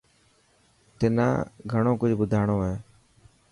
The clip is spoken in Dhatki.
تنا گهڻيون ڪجهه مڍاڻو هي.